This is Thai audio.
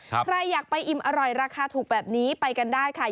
ใครอยากไปอิ่มอร่อยราคาถูกแบบนี้ไปกันได้ค่ะ